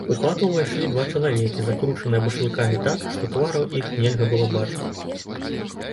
У хату ўвайшлі два чалавекі, закручаныя башлыкамі так, што твараў іх нельга было бачыць.